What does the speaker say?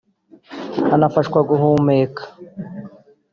anafashwa guhumeka